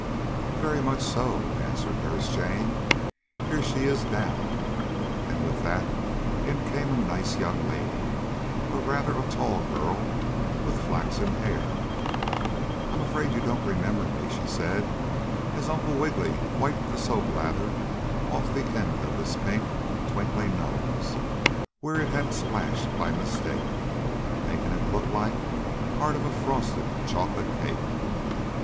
"Very much so," answered Nurse Jane. "Here she is now," and with that in came a nice young lady, or, rather, a tall girl, with flaxen hair. "I'm afraid you don't remember me," she said, as Uncle Wiggily wiped the soap lather off the end of his pink, twinkling nose, where it had splashed by mistake, making it look like part of a frosted chocolate cake.